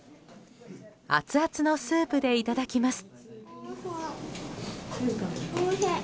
アツアツのスープでいただきます。